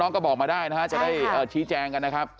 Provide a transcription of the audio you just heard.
ก็บอกมาได้นะฮะจะได้ชี้แจงกันนะครับ